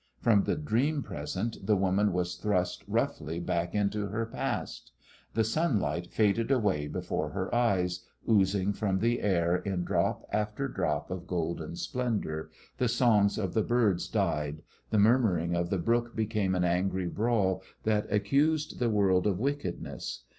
From the dream present the woman was thrust roughly back into her past. The sunlight faded away before her eyes, oozing from the air in drop after drop of golden splendour, the songs of the birds died, the murmuring of the brook became an angry brawl that accused the world of wickedness.